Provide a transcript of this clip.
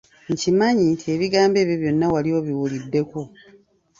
Nkimanyi nti ebigambo ebyo byonna wali obiwuliddeko.